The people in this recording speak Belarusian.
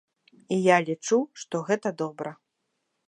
І я лічу, што гэта добра.